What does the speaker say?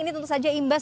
ini tentu saja imbas